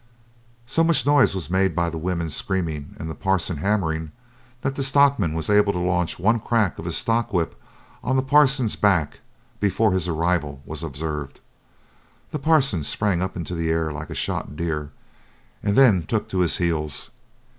So much noise was made by the women screaming and the Parson hammering, that the stockman was able to launch one crack of his stock whip on the Parson's back before his arrival was observed. The Parson sprang up into the air like a shot deer, and then took to his heels.